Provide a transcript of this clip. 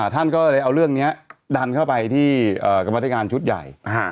ท่านก็เลยเอาเนี้ยดันเข้าไปที่เอ่อกรรมพิธีการชุดใหญ่อ่า